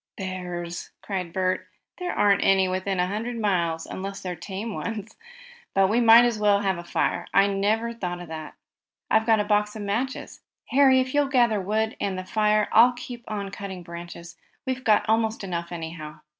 "Bears!" cried Bert "There aren't any within a hundred miles, unless they're tame ones. But we might as well have a fire. I never thought of that. I've got a box of matches. Harry, if you'll gather wood, and the fire, I'll keep on cutting branches. We've got almost enough, anyhow."